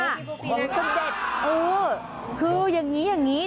ของเสด็จคือยังนี้